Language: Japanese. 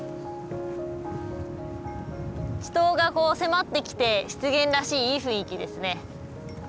池塘が迫ってきて湿原らしいいい雰囲気ですね。